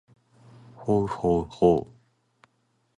ほうほうほう